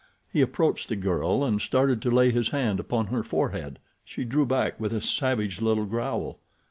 He approached the girl and started to lay his hand upon her forehead. She drew back with a savage little growl.